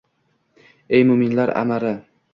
Ey, mo‘minlar amiri!